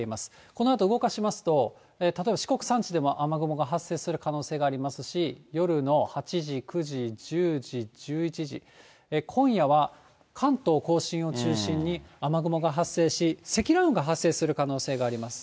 このあと動かしますと、例えば四国山地でも雨雲が発生する可能性がありますし、夜の８時、９時、１０時、１１時、今夜は関東甲信を中心に、雨雲が発生し、積乱雲が発生する可能性があります。